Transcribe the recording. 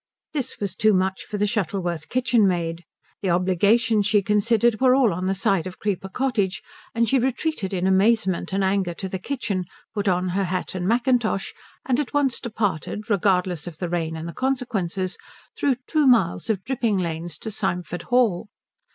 This was too much for the Shuttleworth kitchenmaid. The obligations, she considered, were all on the side of Creeper Cottage, and she retreated in amazement and anger to the kitchen, put on her hat and mackintosh, and at once departed, regardless of the rain and the consequences, through two miles of dripping lanes to Symford Hall.